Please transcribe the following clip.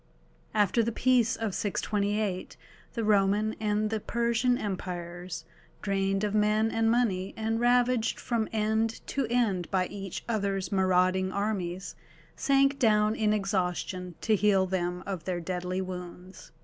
After the peace of 628 the Roman and the Persian Empires, drained of men and money, and ravaged from end to end by each other's marauding armies, sank down in exhaustion to heal them of their deadly wounds.